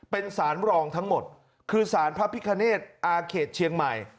เป็นสารรองทั้งหมดคือสารพระพิคเนตอาเขตเชียงใหม่